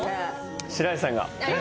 白石さんが。